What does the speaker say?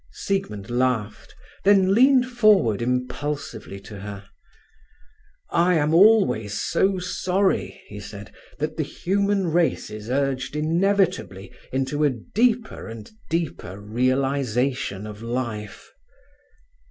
Siegmund laughed, then leaned forward impulsively to her. "I am always so sorry," he said, "that the human race is urged inevitably into a deeper and deeper realization of life."